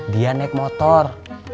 dia naik motor